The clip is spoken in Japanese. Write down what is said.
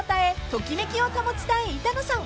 ときめきを保ちたい板野さん］